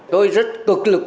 tôi rất cực lực